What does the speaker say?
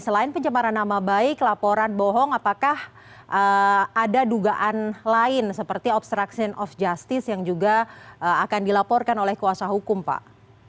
selain pencemaran nama baik laporan bohong apakah ada dugaan lain seperti obstruction of justice yang juga akan dilaporkan oleh kuasa hukum pak